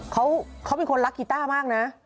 เขาเป็นคนรักกีต้ามากนะ